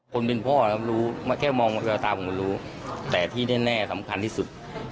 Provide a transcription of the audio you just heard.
คนเป็นพ่อแล้วรู้แค่มองตาผมรู้แต่ที่แน่แน่สำคัญที่สุด